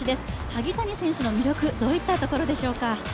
萩谷選手の魅力、どういったところでしょうか？